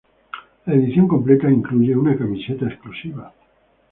La edición completa incluye una camiseta exclusiva.